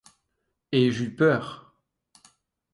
Et j’eus peur.